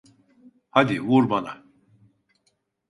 Hadi, vur bana.